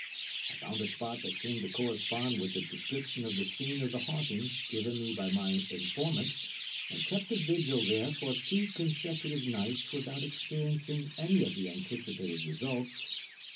I found a spot that seemed to correspond with the description of the scene of the haunting given me by my informant, and kept a vigil there for two consecutive nights without experiencing any of the anticipated results.